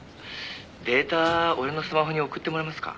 「データ俺のスマホに送ってもらえますか？」